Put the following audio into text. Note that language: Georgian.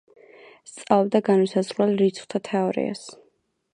სწავლობდა განუსაზღვრელ რიცხვთა თეორიას.